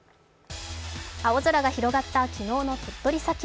青空が広がった昨日の鳥取砂丘。